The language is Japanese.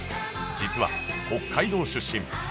実は北海道出身